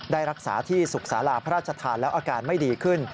ได้รักษาที่สุขศาลาพระราชทานแล้วอาการไม่ดีขึ้น